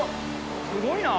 すごいな！